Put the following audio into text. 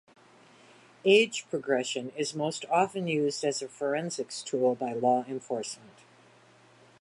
Age progression is most often used as a forensics tool by law enforcement.